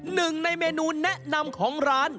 หนึ่งในเมนูแนะนำของร้าน